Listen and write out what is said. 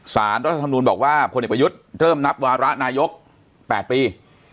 สารรัฐธรรมดุลบอกว่าพยเริ่มนับวาระนายก๘ปี